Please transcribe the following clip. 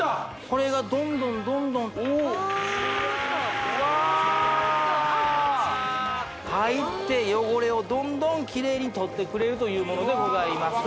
これがどんどんどんどんバーッとうわ入って汚れをどんどん綺麗に取ってくれるというものでございます